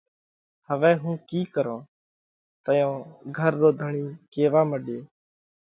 هوَئہ هُون ڪِي ڪرون؟ تئيون گھر رو ڌڻِي ڪيوا مڏيو۔